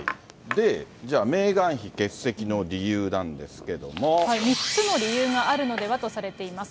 じゃあ、メーガン妃欠席の理由なんですけれども、３つの理由があるのではとされています。